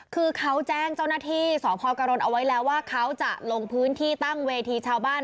คือเขาแจ้งเจ้าหน้าที่สพกรณเอาไว้แล้วว่าเขาจะลงพื้นที่ตั้งเวทีชาวบ้าน